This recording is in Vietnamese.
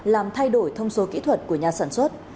làm thay đổi thông số kỹ thuật của nhà sản xuất